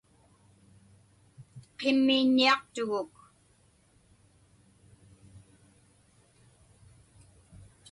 Qimmiiññiaqtuguk.